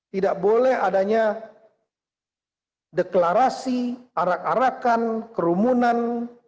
tidak boleh adanya deklarasi arak arakan kerumunan